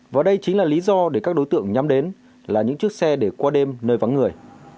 và đây chính là lý do để các đối tượng nhắm đến là những chiếc xe để qua đêm nơi vắng người